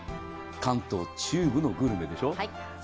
関東中部のグルメでしょう。